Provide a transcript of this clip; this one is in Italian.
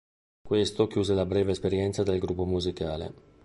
Questo chiuse la breve esperienza del gruppo musicale.